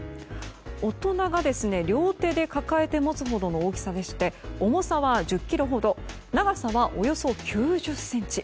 大人が両手で抱えて持つほどの大きさでして重さは１０ｋｇほど長さはおよそ９０ｃｍ。